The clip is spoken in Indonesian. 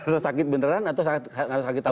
entah sakit beneran atau sakit tak pernah